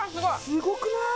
すごくない？